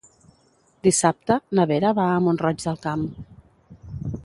Dissabte na Vera va a Mont-roig del Camp.